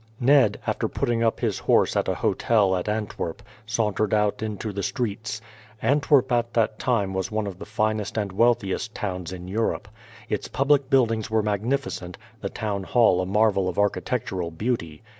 Ned, after putting up his horse at a hotel at Antwerp, sauntered out into the streets. Antwerp at that time was one of the finest and wealthiest towns in Europe. Its public buildings were magnificent, the town hall a marvel of architectural beauty.